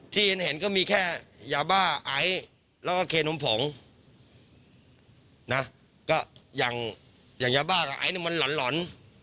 ที่เห็นก็มีแค่ยาบ้าไอซ์แล้วก็เคนมผงนะก็อย่างอย่างยาบ้ากับไอซ์มันหล่อน